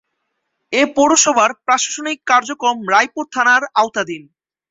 এ পৌরসভার প্রশাসনিক কার্যক্রম রায়পুর থানার আওতাধীন।